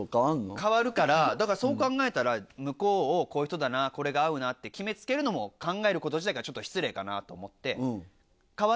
変わるからだからそう考えたら向こうをこういう人だなこれが合うなって決め付けるのも考えること自体がちょっと失礼かなと思って。